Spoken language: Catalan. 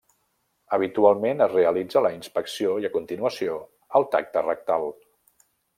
Habitualment es realitza la inspecció i a continuació el tacte rectal.